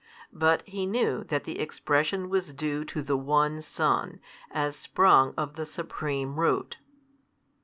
But he knew that the expression was due to the One Son, as sprung of the Supreme Root.